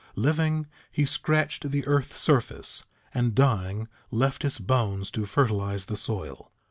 Living, he scratched the earth's surface, and dying, left his bones to fertilize the soil.